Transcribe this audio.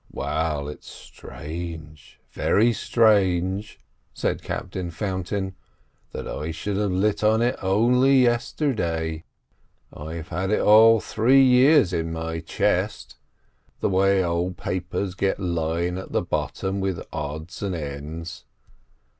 "Well, it's strange—very strange," said Captain Fountain, "that I should have lit on it only yesterday. I've had it all three years in my chest, the way old papers get lying at the bottom with odds and ends.